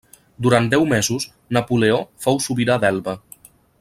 Durant deu mesos Napoleó fou sobirà d'Elba.